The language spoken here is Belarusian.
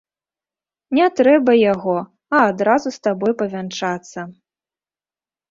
Не трэба яго, а адразу з табой павянчацца.